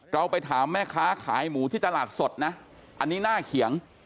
เราไปถามแม่ค้าขายหมูที่ตลาดสดนะอันนี้หน้าเขียง